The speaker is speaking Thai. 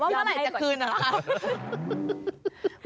ถามว่าเมื่อไหร่จะคืนน่ะครับ